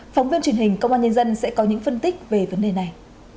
phóng viên truyền hình công an nhân dân sẽ có những phân tích về vấn đề này